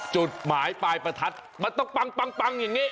จุดหมายปลายประทัดมันต้องปังอย่างนี้